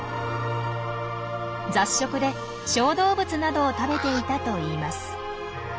雑食で小動物などを食べていたといいます。